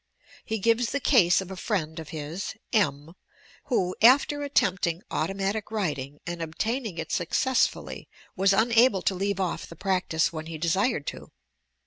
He gives the case of a friend of his, M., who, after attempting automatic writing and obtaining it successfully, was un able to leave off the practice when he desired to.